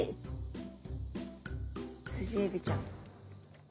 スジエビちゃん。